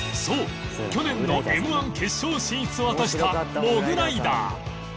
そう去年の Ｍ−１ 決勝進出を果たしたモグライダー